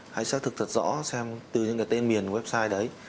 hãy xác thực thật rõ xem từ những cái tên miền website đấy